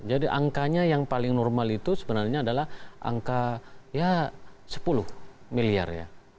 angkanya yang paling normal itu sebenarnya adalah angka ya sepuluh miliar ya